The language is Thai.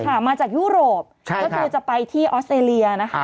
ค่ะมาจากยุโรปก็คือจะไปที่ออสเตรเลียนะคะ